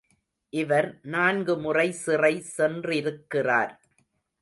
இவர் நான்குமுறை சிறை சென்றிருக்கிறார்.